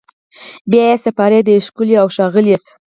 بیا یې سپاري د یو ښکلي اوښاغلي